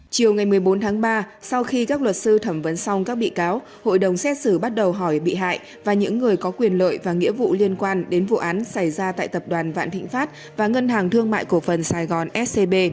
chiều ngày một mươi bốn tháng ba sau khi các luật sư thẩm vấn xong các bị cáo hội đồng xét xử bắt đầu hỏi bị hại và những người có quyền lợi và nghĩa vụ liên quan đến vụ án xảy ra tại tập đoàn vạn thịnh pháp và ngân hàng thương mại cổ phần sài gòn scb